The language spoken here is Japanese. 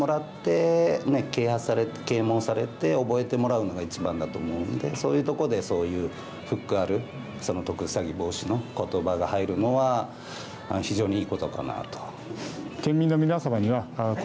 聞いてもらって啓発され、啓蒙もされ覚えてもらうのが一番だと思うんでそういうところでそういうフックある特殊詐欺防止のことばが入るのは非常にいいことかなと。